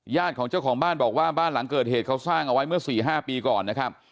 ของเจ้าของบ้านบอกว่าบ้านหลังเกิดเหตุเขาสร้างเอาไว้เมื่อ๔๕ปีก่อนนะครับ